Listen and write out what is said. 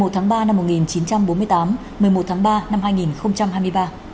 một mươi tháng ba năm một nghìn chín trăm bốn mươi tám một mươi một tháng ba năm hai nghìn hai mươi ba